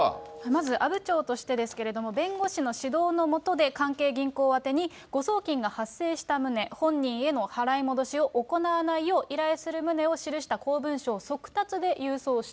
まず阿武町としてですけれども、弁護士の指導の下で関係銀行宛てに誤送金が発生した旨、本人への払い戻しを行わないよう依頼する旨を記した公文書を速達